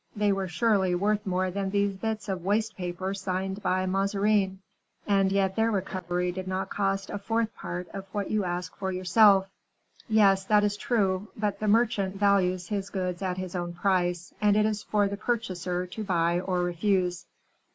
they were surely worth more than these bits of waste paper signed by Mazarin, and yet their recovery did not cost a fourth part of what you ask for yourself." "Yes, that is true; but the merchant values his goods at his own price, and it is for the purchaser to buy or refuse."